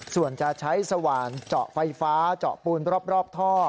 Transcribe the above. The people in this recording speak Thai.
ส่วนจะใช้สว่านเจาะไฟฟ้าเจาะปูนรอบท่อ